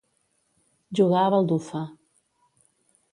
Jugar a baldufa.